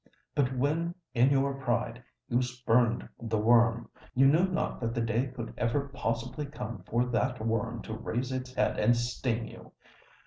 But when, in your pride, you spurned the worm—you knew not that the day could ever possibly come for that worm to raise its head and sting you!